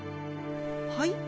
はい？